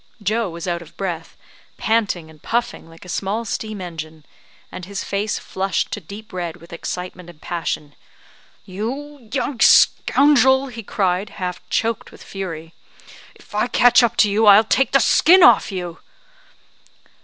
Joe was out of breath, panting and puffing like a small steam engine, and his face flushed to deep red with excitement and passion. "You young scoundrel!" he cried, half choked with fury, "If I catch up to you, I'll take the skin off you!"